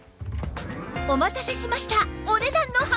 お待たせしました！